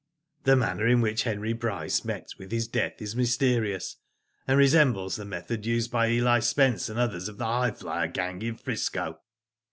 The manner in which Henry Bryce met with his death is mysterious, and resembles the method used by Eli Spence and others of the Highflyer gang in 'Frisco."